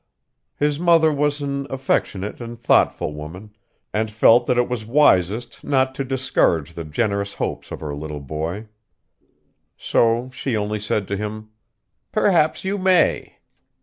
His mother was an affectionate and thoughtful woman, and felt that it was wisest not to discourage the generous hopes of her little boy. So she only said to him, 'Perhaps you may.